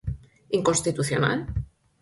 Inconstitucional?